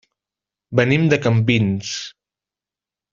Venim de Campins.